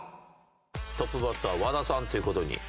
トップバッター和田さんという事に。